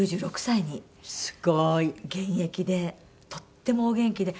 すごい！現役でとってもお元気で。